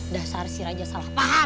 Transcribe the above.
dasar si raja salahpaham